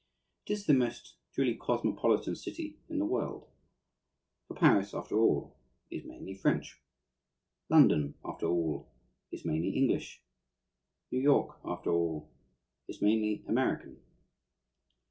It is the most truly cosmopolitan city in the world; for Paris, after all, is mainly French; London, after all, is mainly English; New York, after all, is mainly American.